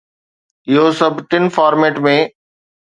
اهو سڀ ٽن فارميٽ ۾